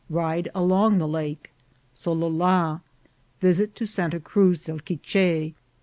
— Ride along the Lake. — Solola. — Visit to Santa Cruz del Quiche.